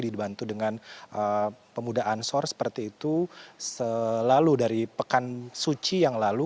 dibantu dengan pemuda ansor seperti itu selalu dari pekan suci yang lalu